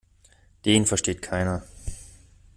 Den versteht keiner.